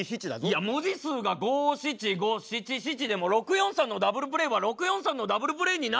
いや文字数が五・七・五・七・七でも６−４−３のダブルプレーは６−４−３のダブルプレーになるんだよ！